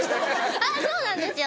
そうなんですよ